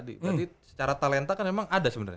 jadi secara talenta kan emang ada sebenarnya